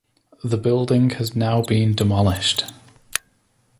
The building has now been demolished.